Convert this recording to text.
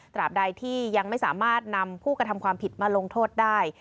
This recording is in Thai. บใดที่ยังไม่สามารถนำผู้กระทำความผิดมาลงโทษได้